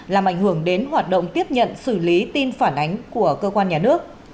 làm ảnh hưởng đến hoạt động tiếp nhận xử lý tin phản ánh của cơ quan nhà nước